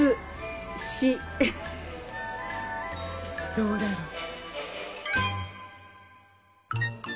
どうだろう？